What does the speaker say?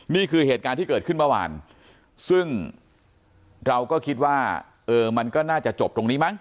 นี่คือเหตุการณ์ที่เกิดขึ้นเมื่อวานซึ่งเราก็คิดว่าเออมันก็น่าจะจบตรงนี้มั้